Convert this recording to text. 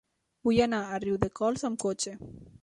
Vull anar a Riudecols amb cotxe.